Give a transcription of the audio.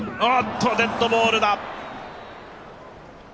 デッドボールだ。